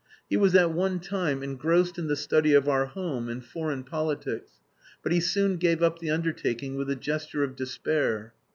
He was at one time engrossed in the study of our home and foreign politics, but he soon gave up the undertaking with a gesture of despair.